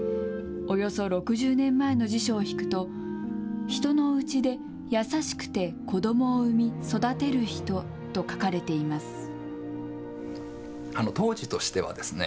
およそ６０年前の辞書を引くと人のうちで優しくて子どもを産み育てる人と書かれています。